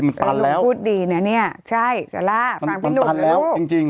มันตันแล้วคุณพูดดีนะเนี่ยใช่จาร่าฟังพี่หนูมันตันแล้วจริง